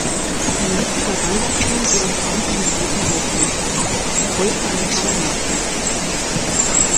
Ein mächtiger Baldachin überspannte den alten Hauptaltar, heute ein Tabernakel.